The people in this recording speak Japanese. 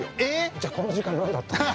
じゃあこの時間何だったの。